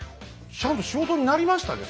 ちゃんと仕事になりましたですか？